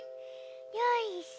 よいしょ。